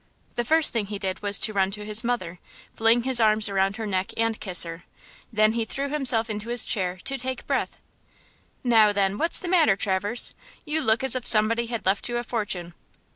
The first thing he did was to run to his mother, fling his arms around her neck and kiss her. Then he threw himself into his chair to take breathe. "Now, then, what's the matter, Traverse? You look as if somebody had left you a fortune!"